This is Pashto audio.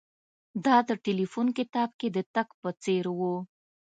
دا د ټیلیفون کتاب کې د تګ په څیر و